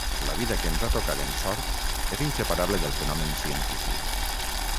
La vida que ens ha tocat en sort és inseparable del fenomen científic.